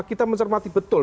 kita mencermati betul